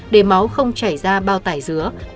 để máu không chảy ra bao tải dứa